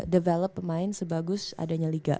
develop pemain sebagus adanya liga